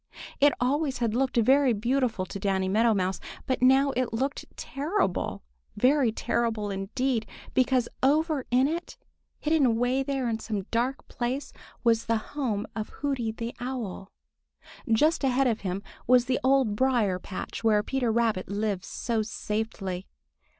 It always had looked very beautiful to Danny Meadow Mouse, but now it looked terrible, very terrible indeed, because over in it, in some dark place, was the home of Hooty the Owl. Just ahead of him was the Old Briar patch where Peter Rabbit lives so safely.